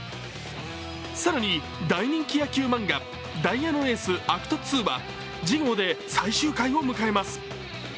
更に、大人気野球漫画、「ダイヤのＡａｃｔｌｌ」は次号で最終回を迎えます。